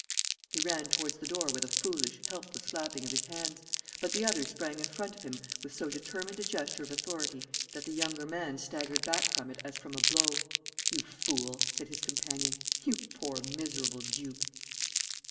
He ran towards the door with a foolish, helpless flapping of his hands, but the other sprang in front of him with so determined a gesture of authority that the younger man staggered back from it as from a blow. 'You fool!' said his companion. 'You poor miserable dupe!'